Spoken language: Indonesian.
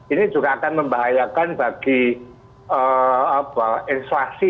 ini juga akan membahayakan bagi inflasi